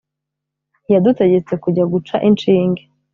yadutegetse kujya guca inshinge